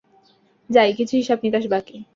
যাই, কিছু হিসাব নিকাশ বাকি।